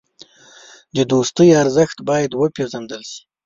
د دوستۍ ارزښت باید وپېژندل شي.